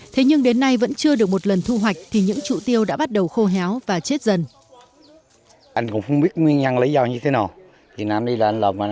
thế nhưng đến nay vẫn chưa được một lần thu hoạch thì những trụ tiêu đã bắt đầu khô héo và chết dần